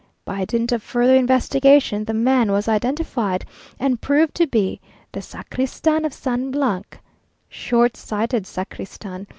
By dint of further investigation, the man was identified, and proved to be the sacristan of San . Short sighted sacristan!